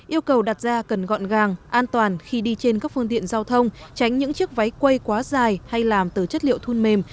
yêu cầu đặt ra cần gọn gàng an toàn khi đi trên các phương tiện giao thông tránh những chiếc váy quay quá dài hay làm từ chất liệu thun mềm